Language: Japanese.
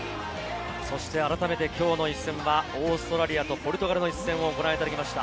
改めてきょうの一戦はオーストラリアとポルトガルの一戦をご覧いただきました。